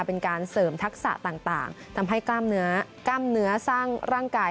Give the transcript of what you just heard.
เป็นการเสริมทักษะต่างทำให้กล้ามเนื้อกล้ามเนื้อสร้างร่างกาย